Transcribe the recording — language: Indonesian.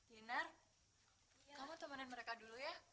yenar kamu temanin mereka dulu ya